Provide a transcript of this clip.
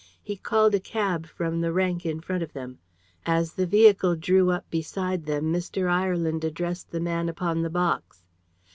He called a cab from the rank in front of them. As the vehicle drew up beside them Mr. Ireland addressed the man upon the box.